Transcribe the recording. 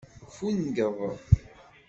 Ffungeḍ.